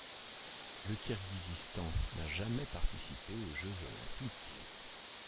Le Kirghizistan n'a jamais participé aux jeux olympiques.